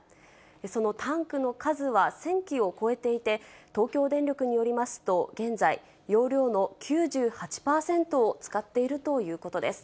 そのタンクの数は１０００基を越えていて、東京電力によりますと、現在、容量の９８％を使っているということです。